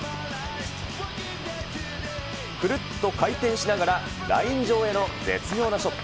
くるっと回転しながらライン上への絶妙なショット。